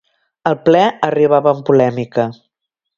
El ple arribava amb polèmica.